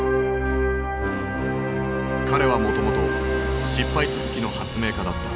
彼はもともと失敗続きの発明家だった。